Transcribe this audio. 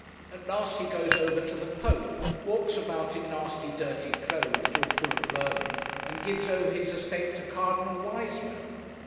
At last he goes over to the Pope, walks about in nasty dirty clothes all full of vermin, and gives over his estate to Cardinal Wiseman.